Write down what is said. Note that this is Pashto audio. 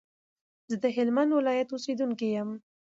زه دهلمند ولایت اوسیدونکی یم.